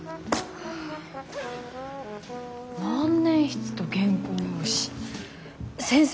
万年筆と原稿用紙先生